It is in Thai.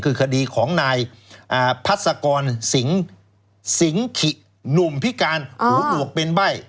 คือคดีของนายพัศกรสิงหิหนุ่มพิการหูหนวกเป็นใบ้